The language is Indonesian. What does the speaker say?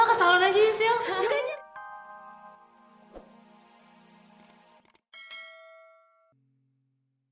kalo enggak ke salon aja yuk sil